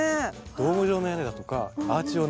ドーム状の屋根だとかアーチ状の窓。